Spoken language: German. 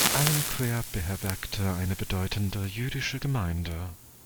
Alenquer beherbergte eine bedeutende jüdische Gemeinde.